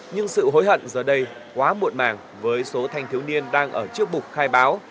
nhưng sự hối hận giờ đây quá muộn màng với số thanh thiếu niên đang ở trước bục khai báo